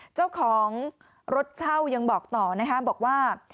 เจ้าของรถเช่ายังบอกต่อนะคะบอกว่า